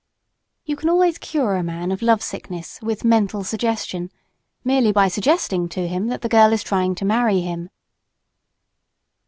You can always cure a man of love sickness with "mental suggestion" merely by suggesting to him that the girl is trying to marry him.